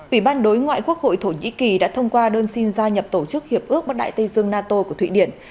ủy ban đối ngoại quốc hội thổ nhĩ kỳ đã thông qua đơn xin gia nhập tổ chức hiệp ước bắc đại tây dương nato của thụy điển